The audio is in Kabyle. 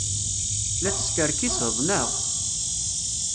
La teskerkiseḍ, naɣ?